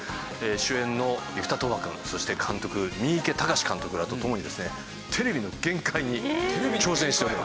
主演の生田斗真くんそして監督三池崇史監督らと共にですねテレビの限界に挑戦しております。